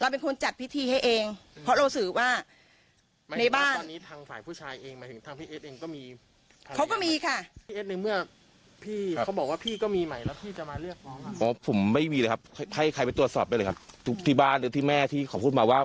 ไปตรวจสอบได้เลยครับที่บ้านหรือที่แม่ที่ขอบคุณมาว่า